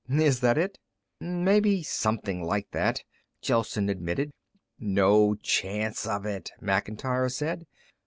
Is that it?" "Maybe something like that," Gelsen admitted. "No chance of it," Macintyre said.